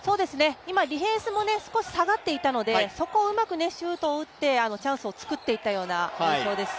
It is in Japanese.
今ディフェンスも少し下がっていたのでそこをうまくシュートを打って、チャンスを作っていったような印象です。